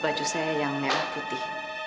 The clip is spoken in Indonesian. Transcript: baju saya yang merah putih